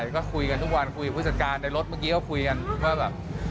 ก็คุยกันทุกวันคุยกับผู้จัดการในรถเมื่อกี้ก็คุยกันว่าแบบ